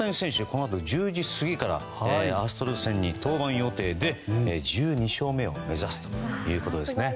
このあと１０時過ぎからアストロズ戦に登板予定で１２勝目を目指すということですね。